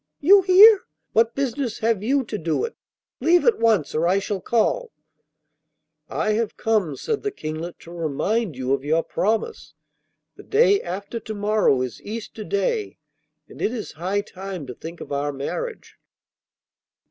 'You here! What business have you to do it? Leave at once, or I shall call ' 'I have come,' said the Kinglet, 'to remind you of your promise. The day after to morrow is Easter Day, and it is high time to think of our marriage.